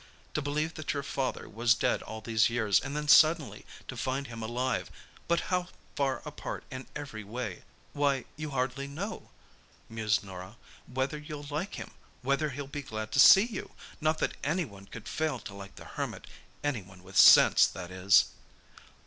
To believe that your father was dead all these years, and then suddenly to find him alive—but how far apart in every way! "Why, you hardly know," mused Norah, "whether you'll like him—whether he'll be glad to see you! Not that anyone could fail to like the Hermit—anyone with sense, that is!"